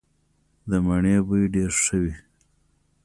د مڼې بوی ډیر ښه وي.